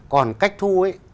còn cách thu ấy